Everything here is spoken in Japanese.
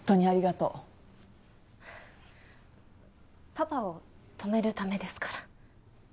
パパを止めるためですから。